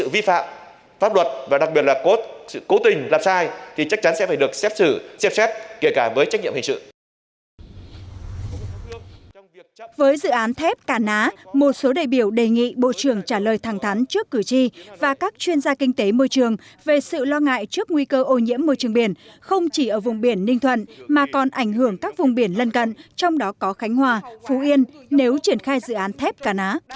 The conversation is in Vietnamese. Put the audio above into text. với dự án thép cà ná một số đại biểu đề nghị bộ trưởng trả lời thẳng thắn trước cử tri và các chuyên gia kinh tế môi trường về sự lo ngại trước nguy cơ ô nhiễm môi trường biển không chỉ ở vùng biển ninh thuận mà còn ảnh hưởng các vùng biển lân cận trong đó có khánh hòa phú yên nếu triển khai dự án thép cà ná